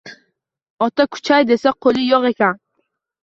Ota kuchay desa qo’li yo’q ekan